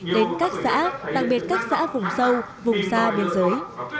đến các xã đặc biệt các xã vùng sâu vùng xa biên giới